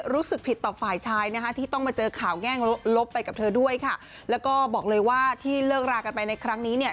รู้สึกผิดต่อฝ่ายชายนะคะที่ต้องมาเจอข่าวแง่งลบไปกับเธอด้วยค่ะแล้วก็บอกเลยว่าที่เลิกรากันไปในครั้งนี้เนี่ย